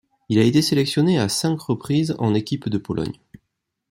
Il a été sélectionné à cinq reprises en équipe de Pologne.